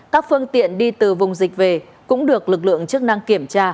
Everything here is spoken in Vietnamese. các phương tiện đi từ vùng dịch về cũng được lực lượng chức năng kiểm tra